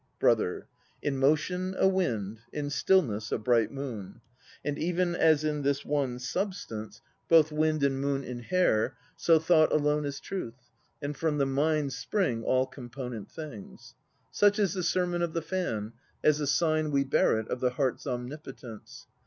BROTHER. "In motion, a wind; In stillness, a bright moon." And even as in this one substance 170 THE NO PLAYS OF JAPAN Both wind and moon inhere, So Thought alone is Truth, and from the mind Spring all component things. Such is the sermon of the fan, as a sign we bear it Of the heart's omnipotence.